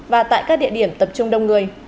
và tại các địa điểm tập trung đông người